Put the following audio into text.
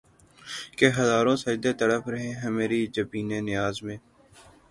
کہ ہزاروں سجدے تڑپ رہے ہیں مری جبین نیاز میں